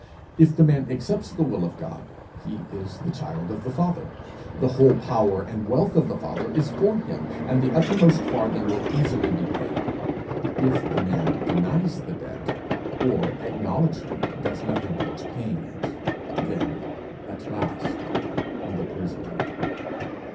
If the man accepts the will of God, he is the child of the Father, the whole power and wealth of the Father is for him, and the uttermost farthing will easily be paid. If the man denies the debt, or acknowledging does nothing towards paying it, then at last the prison!